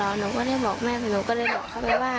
หนูก็เรียกบอกแม่หนูก็เลยบอกเขาไปว่า